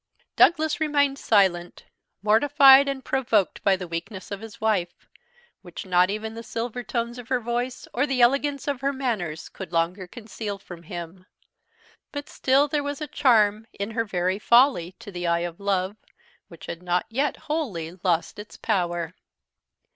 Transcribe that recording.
Douglas remained silent, mortified and provoked at the weakness of his wife, which not even the silver tones of her voice or the elegance of her manners could longer conceal from him. But still there was a charm in her very folly, to the eye of love, which had not yet wholly lost its power.